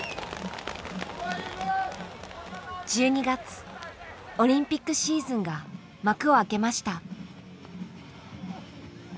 １２月オリンピックシーズンが幕を開けました。